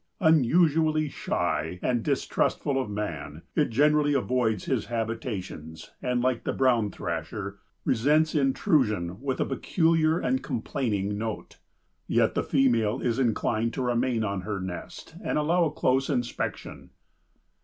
Unusually shy and distrustful of man, it generally avoids his habitations, and, like the brown thrasher, resents intrusion with a peculiar and complaining note. Yet the female is inclined to remain on her nest and allow close inspection.